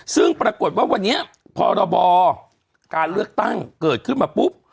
ซึ่งปรากฏว่าวันนี้พรบการเลือกตั้งเกิดขึ้นมาปุ๊บ